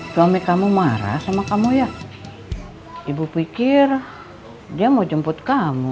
suami kamu marah sama kamu ya ibu pikir dia mau jemput kamu